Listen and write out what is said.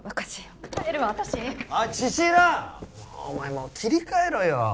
もう切り替えろよ。